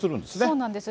そうなんです。